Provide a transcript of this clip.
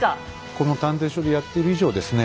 この探偵所でやってる以上ですね